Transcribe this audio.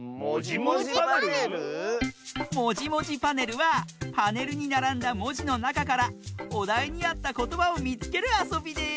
「もじもじパネル」はパネルにならんだもじのなかからおだいにあったことばをみつけるあそびです！